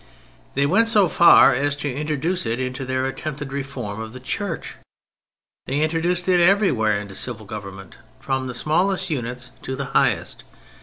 They went so far as to introduce it into their attempted reform of the Church; they intro duced it everywhere into civil government, from the smallest units to the highest.